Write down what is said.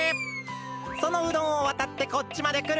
そのうどんをわたってこっちまでくるのだ。